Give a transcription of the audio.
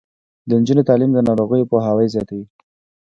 د نجونو تعلیم د ناروغیو پوهاوی زیاتوي.